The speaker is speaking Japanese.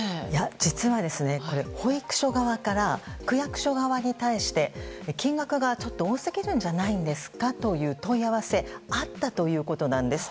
実は、保育所側からは区役所側に対して金額がちょっと多すぎるんじゃないですかという問い合わせがあったということなんです。